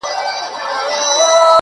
• د دوستانو له بېلتون څخه کړېږې-